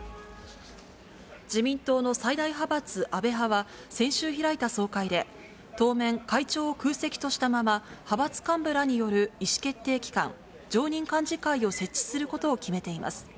自民党の最大派閥、安倍派は、先週開いた総会で、当面、会長を空席としたまま、派閥幹部らによる意思決定機関、常任幹事会を設置することを決めています。